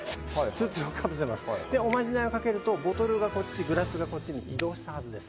筒をかぶせますおまじないをかけるとボトルがこっちグラスがこっちに移動したはずです